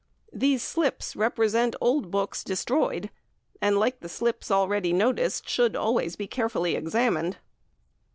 These slips represent old books destroyed, and like the slips already noticed, should always be carefully examined.